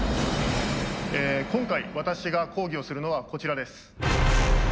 今回私が講義をするのはこちらです。